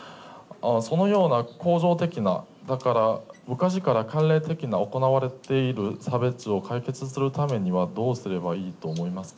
そのような構造的なだから昔から慣例的に行われている差別を解決するためにはどうすればいいと思いますか？